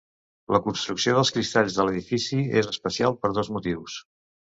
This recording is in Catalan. La construcció dels cristalls de l'edifici és especial per dos motius.